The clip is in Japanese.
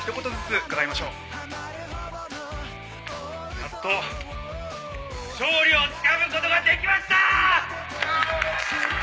やっと勝利をつかむことができました！